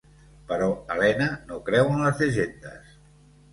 Però Elena no creu en les llegendes.